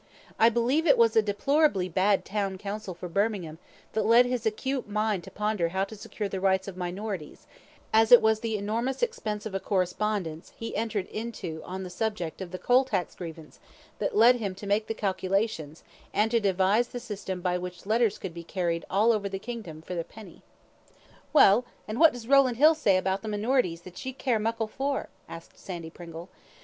I believe it was a deplorably bad town council for Birmingham that led his acute mind to ponder how to secure the rights of minorities, as it was the enormous expense of a correspondence he entered into on the subject of the coal tax grievance that led him to make the calculations and to devise the system by which letters could be carried all over the kingdom for a penny." "Well, and what does Rowland Hill say about the minorities that ye care muckle for?" asked Sandy Pringle.